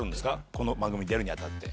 この番組出るに当たって。